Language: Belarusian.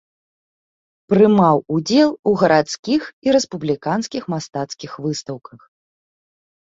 Прымаў удзел у гарадскіх і рэспубліканскіх мастацкіх выстаўках.